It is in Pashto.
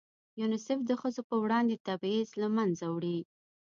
یونیسف د ښځو په وړاندې تبعیض له منځه وړي.